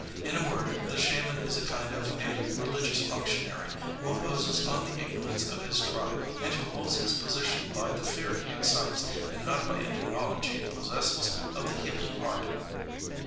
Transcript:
In a word, the shaman is a kind of a religious functionary who imposes on the ignorance of his tribe and who holds his position by the fear he excites, and not by any knowledge he possesses of the healing art.